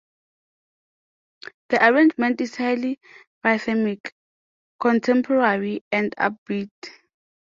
The arrangement is highly rhythmic, contemporary, and upbeat.